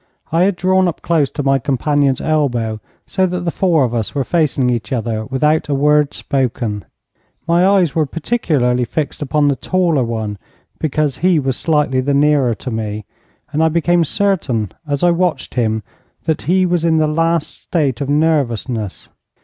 I had drawn up close to my companion's elbow, so that the four of us were facing each other without a word spoken. My eyes were particularly fixed upon the taller one, because he was slightly the nearer to me, and I became certain as I watched him that he was in the last state of nervousness.